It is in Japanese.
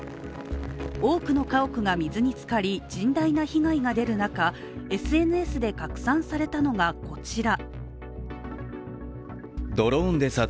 多くの家屋が水につかり、甚大な被害が出る中ＳＮＳで拡散されたのが、こちら。